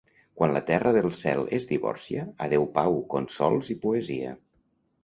Quan la terra del cel es divorcia, adeu pau, consols i poesia.